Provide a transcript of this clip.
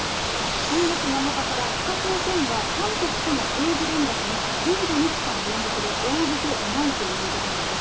今月７日から北朝鮮が韓国との定時連絡に、１５日間連続で応じていないということなんです。